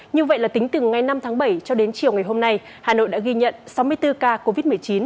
như vậy là tính từ ngày năm tháng bảy cho đến chiều ngày hôm nay hà nội đã ghi nhận sáu mươi bốn ca covid một mươi chín